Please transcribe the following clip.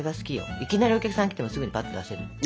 いきなりお客さん来てもすぐにぱっと出せる。